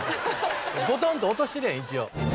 ボトンと落としてるやん一応。